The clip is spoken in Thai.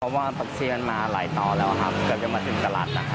ราคาผักชีไทยตลาดเฮ่ยขวางวันนี้นะครับ๓๘๐๔๐๐บาทต่อกิโลกรัม